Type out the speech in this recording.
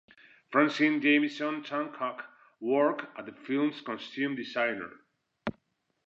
Francine Jamison-Tanchuck worked as the film's costume designer.